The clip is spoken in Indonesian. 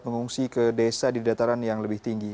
mengungsi ke desa di dataran yang lebih tinggi